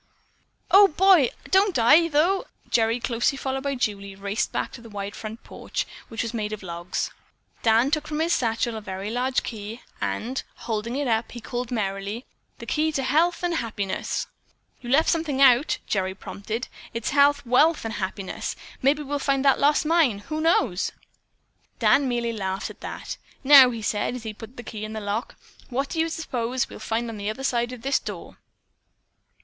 "Oh, boy, don't I, though!" Gerry, closely followed by Julie, raced back to the wide front porch, which was made of logs. Dan took from his satchel a very large key and holding it up, he called merrily, "The key to health and happiness." "You left out something," Gerry prompted. "It's health, wealth and happiness. Maybe we'll find that lost mine, who knows?" Dan merely laughed at that. "Now," he said, as he put the key in the lock, "what do you suppose we'll find on the other side of this door?"